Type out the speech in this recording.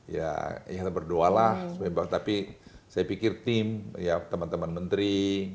ya berdua lah tapi saya pikir tim ya teman teman menteri